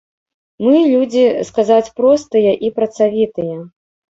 Мы людзі, сказаць, простыя і працавітыя.